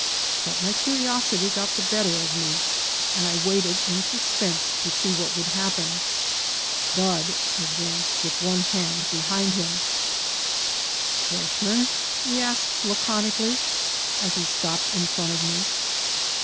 But my curiosity got the better of me, and I waited in suspense to see what would happen. "Bud" advanced with one hand behind him. " Freshman? '^ he asked, laconically, as he stopped in front of me.